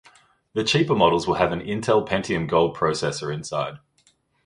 The cheaper models will have an Intel Pentium Gold processor inside.